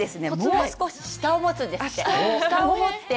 もう少し下を持つんですって。